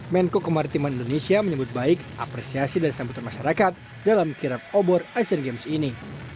menko kemaritiman indonesia menyebut baik apresiasi dan sambutan masyarakat dalam kirap obor asian games ini